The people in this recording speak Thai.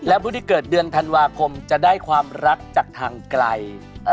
และผู้ที่เกิดเดือนธันวาคมจะได้ความรักจากทางไกล